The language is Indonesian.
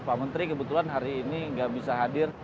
pak menteri kebetulan hari ini nggak bisa hadir